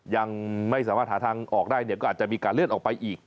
ยังไม่สามารถหาทางออกได้เนี่ยก็อาจจะมีการเลื่อนออกไปอีก